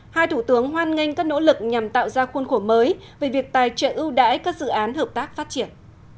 hai thủ tướng hoan nghênh các nỗ lực nhằm tạo ra khuôn khổ mới về việc tài trợ ưu đãi các dự án hợp tác phát triển